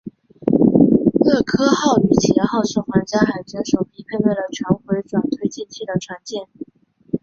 厄科号与企业号是皇家海军首批配备了全回转推进器的船舰。